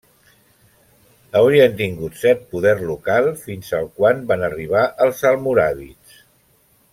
Haurien tingut cert poder local fins al quan van arribar els almoràvits.